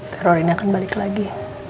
teror ini akan balik lagi